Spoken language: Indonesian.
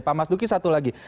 pak mas duki satu lagi